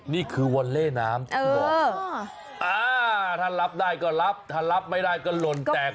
นี่คือวอลเล่น้ำถ้ารับได้ก็รับถ้ารับไม่ได้ก็หล่นแตก